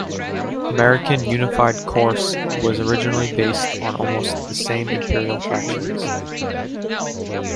American Unified Coarse was originally based on almost the same Imperial fractions.